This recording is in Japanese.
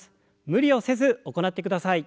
無理をせず行ってください。